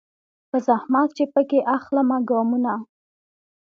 په زحمت چي پکښي اخلمه ګامونه